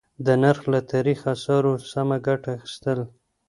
د نرخ له تاريخي آثارو سمه گټه اخيستل: